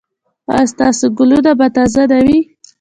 ایا ستاسو ګلونه به تازه نه وي؟